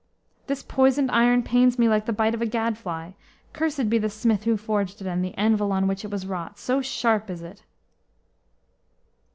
This poisoned iron pains me like the bite of a gad fly. Cursed be the smith who forged it, and the anvil on which it was wrought! So sharp is it!"